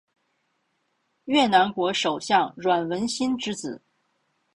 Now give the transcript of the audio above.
越南国首相阮文心之子。